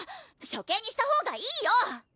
処刑にした方がいいよ！